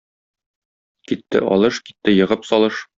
Китте алыш, китте егып салыш.